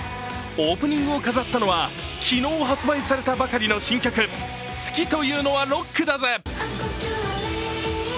オープニングを飾ったのは昨日発売されたばかりの新曲「好きというのはロックだぜ！」。